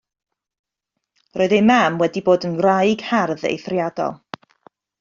Roedd ei mam wedi bod yn wraig hardd eithriadol.